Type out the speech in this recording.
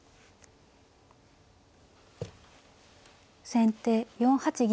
先手４八銀。